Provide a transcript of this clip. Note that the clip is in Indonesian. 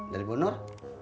dari bu nur